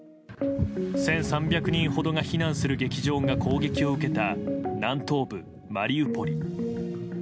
１３００人ほどが避難する劇場が攻撃を受けた南東部マリウポリ。